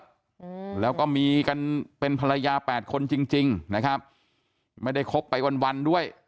อืมแล้วก็มีกันเป็นภรรยาแปดคนจริงจริงนะครับไม่ได้คบไปวันวันด้วย